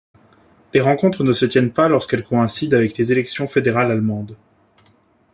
Les rencontres ne se tiennent pas lorsqu'elles coïncident avec les élections fédérales allemandes.